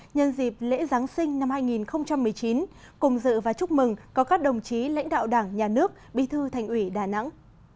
nhân dịp lễ giáng sinh năm hai nghìn một mươi chín cùng dự và chúc mừng có các đồng chí lãnh đạo đảng nhà nước bí thư thành ủy đà nẵng